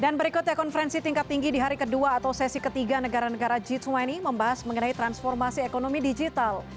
dan berikutnya konferensi tingkat tinggi di hari kedua atau sesi ketiga negara negara g dua puluh membahas mengenai transformasi ekonomi digital